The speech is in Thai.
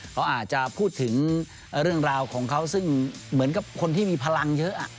เขาอาจจะพูดถึงเรื่องราวของเขาซึ่งเหมือนกับคนที่มีพลังเยอะ